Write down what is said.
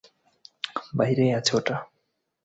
বাইরেই আছে ওটা।